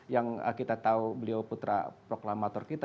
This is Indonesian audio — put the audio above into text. yang kita tahu beliau putra proklamator kita